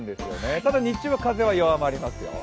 ただ日中は風は弱まりますよ。